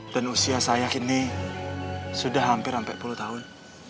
dan usia saya kini sudah hampir sampai sepuluh tahun